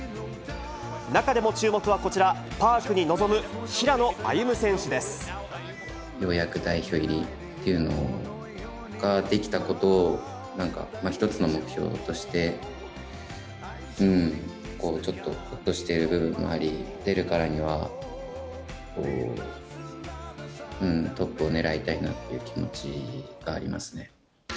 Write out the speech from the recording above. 中でも注目はこちら、ようやく代表入りというのができたこと、なんか１つの目標として、ちょっとほっとしている部分もあり、出るからには、トップを狙いたいなっていう気持ちがありますね。